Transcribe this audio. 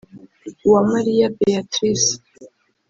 Uwamariya Beatrice